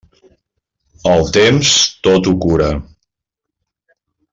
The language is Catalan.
El temps, tot ho cura.